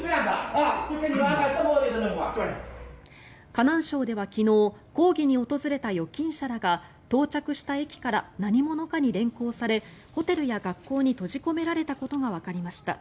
河南省では昨日抗議に訪れた預金者らが到着した駅から何者かに連行されホテルや学校に閉じ込められたことがわかりました。